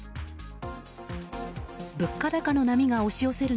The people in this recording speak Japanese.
物価高の波が押し寄せる